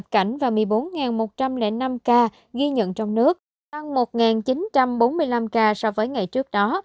hai một trăm linh năm ca ghi nhận trong nước tăng một chín trăm bốn mươi năm ca so với ngày trước đó